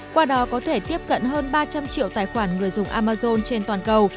qua đó có thể tiếp cận hơn ba trăm linh triệu tài khoản người dùng amazon trên toàn cầu